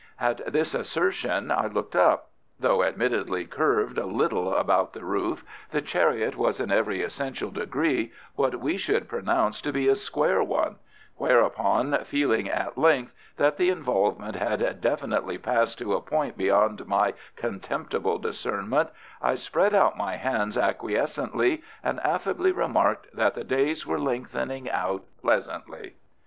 At this assertion I looked up. Though admittedly curved a little about the roof the chariot was in every essential degree what we should pronounce to be a square one; whereupon, feeling at length that the involvement had definitely passed to a point beyond my contemptible discernment, I spread out my hands acquiescently and affably remarked that the days were lengthening out pleasantly.